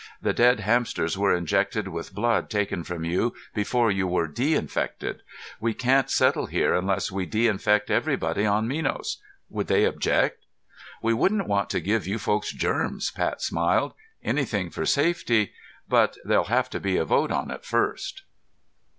The dead hamsters were injected with blood taken from you before you were de infected. We can't settle here unless we de infect everybody on Minos. Would they object?" "We wouldn't want to give you folks germs," Pat smiled. "Anything for safety. But there'll have to be a vote on it first."